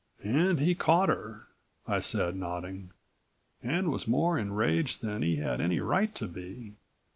"And he caught her," I said, nodding. "And was more enraged than he had any right to be.